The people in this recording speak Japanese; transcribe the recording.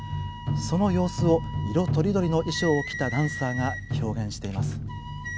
その様子を色とりどりの衣装を着たダンサーが表現しています。